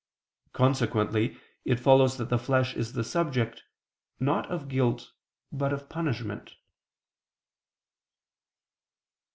Consequently it follows that the flesh is the subject, not of guilt, but of punishment.